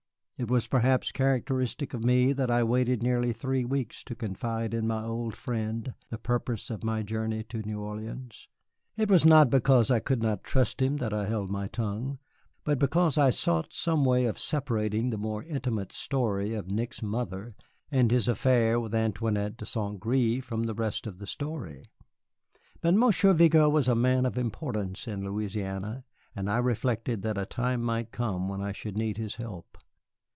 It was perhaps characteristic of me that I waited nearly three weeks to confide in my old friend the purpose of my journey to New Orleans. It was not because I could not trust him that I held my tongue, but because I sought some way of separating the more intimate story of Nick's mother and his affair with Antoinette de St. Gré from the rest of the story. But Monsieur Vigo was a man of importance in Louisiana, and I reflected that a time might come when I should need his help.